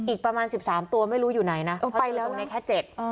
อีกประมาณสิบสามตัวไม่รู้อยู่ไหนนะไปเลยตรงนี้แค่เจ็ด